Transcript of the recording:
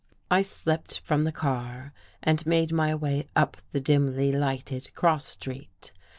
I slipped from, the car and made my way up the dimly lighted cross street.